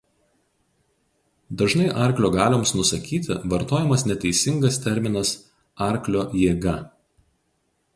Dažnai arklio galioms nusakyti vartojamas neteisingas terminas "arklio jėga".